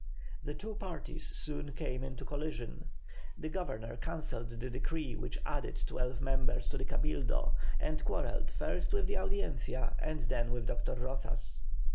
The two parties soon came into collision. The Governor cancelled the decree which added twelve members to the Cabildo, and quarrelled first with the Audiencia and then with Dr. Rozas.